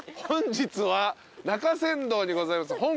本日は中山道にございます